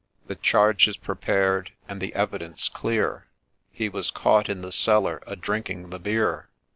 ' The charge is prepared, and the evidence clear, ' He was caught in the cellar a drinking the beer